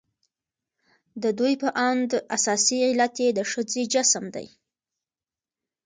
د ددوى په اند اساسي علت يې د ښځې جسم دى.